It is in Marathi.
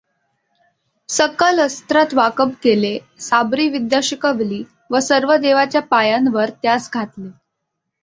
सकल अस्त्रात वाकब केले, साबरी विद्या शिकविली व सर्व देवाच्या पायांवर त्यास घातले.